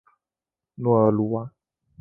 诺尔鲁瓦。